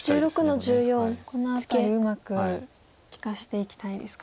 この辺りうまく利かしていきたいですか。